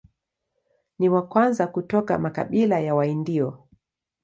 Ni wa kwanza kutoka makabila ya Waindio.